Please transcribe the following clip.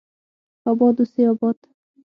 اباد اوسي اباد